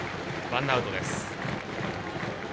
ワンアウトです。